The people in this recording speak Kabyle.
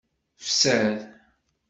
Fser.